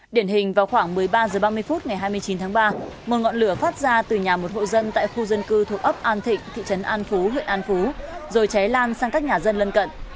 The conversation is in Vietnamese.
điển hình vào khoảng một mươi ba h ba mươi phút ngày hai mươi chín tháng ba một ngọn lửa phát ra từ nhà một hộ dân tại khu dân cư thuộc ấp an thịnh thị trấn an phú huyện an phú rồi cháy lan sang các nhà dân lân cận